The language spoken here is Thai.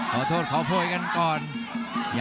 รับทราบบรรดาศักดิ์